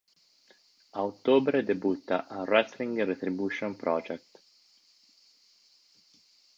A ottobre debutta a Wrestling Retribution Project.